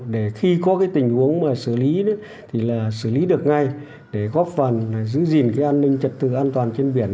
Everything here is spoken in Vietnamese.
để khi có cái tình huống mà xử lý thì là xử lý được ngay để góp phần giữ gìn cái an ninh trật tự an toàn trên biển